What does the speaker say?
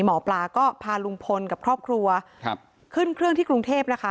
หมอปลาก็พาลุงพลกับครอบครัวครับขึ้นเครื่องที่กรุงเทพนะคะ